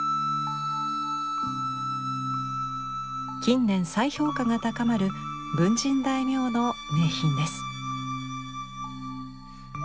近年再評価が高まる文人大名の名品です。